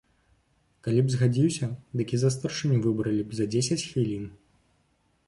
Калі б згадзіўся, дык і за старшыню выбралі б за дзесяць хвілін.